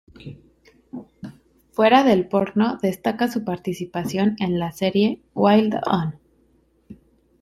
Fuera del porno destaca su participación en la serie "Wild On!